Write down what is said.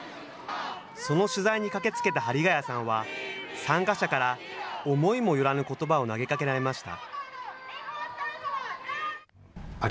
その取材に駆けつけた針谷さんは、参加者から思いもよらぬことばを投げかけられました。